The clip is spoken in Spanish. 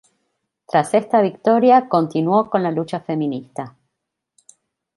Tras esta victoria continuó con la lucha feminista.